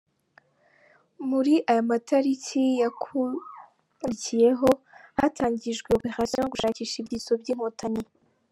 Muri aya matariki yakurikiyeho hatangijwe opération yo gushakisha ibyitso by’inkotanyi.